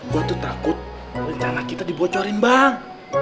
gue tuh takut rencana kita dibocorin bang